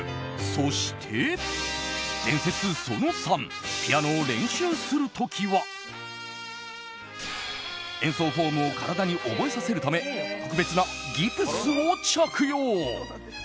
そして、伝説その３ピアノを練習する時は演奏フォームを体に覚えさせるため特別なギプスを着用。